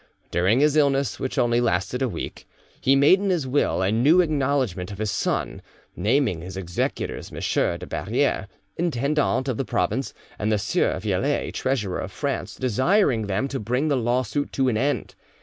During his illness, which only lasted a week, he made in his will a new acknowledgment of his son, naming his executors M. de Barriere, intendant of the province, and the sieur Vialet, treasurer of France, desiring them to bring the lawsuit to an end.